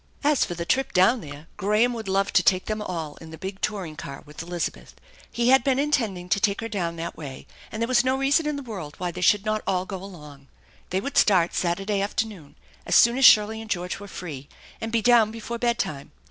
As for the trip down there, Graham would love to take them all in the big touring car with Elizabeth. He had been intending to take her down that way, and there was no reason in the world why they should not all go along. Th^y would star*. Saturday after noon as soon as Shirley and George were free, and be down before bedtime.